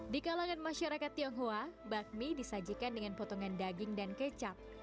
di kalangan masyarakat tionghoa bakmi disajikan dengan potongan daging dan kecap